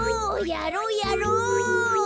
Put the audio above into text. やろうやろう！